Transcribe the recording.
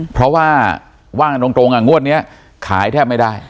เพราะว่าว่างกันตรงงวดนี้ขายแทบไม่ได้